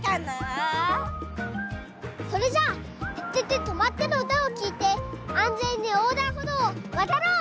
それじゃあ「ててて！とまって！」のうたをきいてあんぜんにおうだんほどうをわたろう！